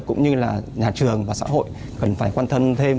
cũng như là nhà trường và xã hội cần phải quan tâm thêm